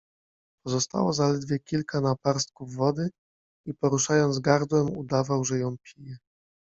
Pozostało zaledwie kilka naparstków wody i poruszając gardłem, udawał, że ją pije.